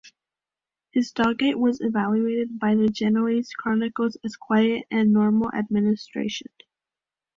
His Dogate was evaluated by the Genoese chronicles as quiet and "normal administration".